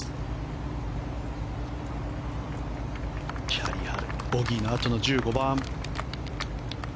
チャーリー・ハルボギーのあとの１５番。